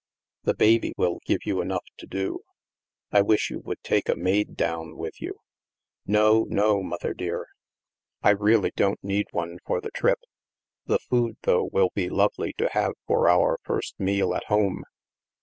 The baby will give you enough to do. I wish you would take a maid down with you." " No, no, Mother dear. I really don't need one 234 THE MASK for the trip. The food, though, will be lovely to have for our first meal at home.